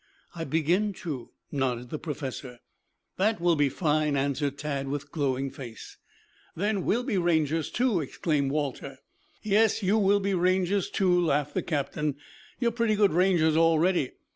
"I begin to," nodded the professor. "That will be fine," answered Tad with glowing face. "Then we will be Rangers, too," exclaimed Walter. "Yes, you will be Rangers, too," laughed the captain. "You are pretty good rangers already.